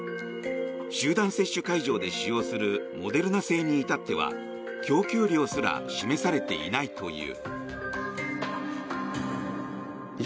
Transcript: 集団接種会場で使用するモデルナ製に至っては供給量すら示されていないという。